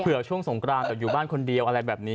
ช่วงสงกรานแต่อยู่บ้านคนเดียวอะไรแบบนี้